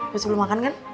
bisa belom makan kan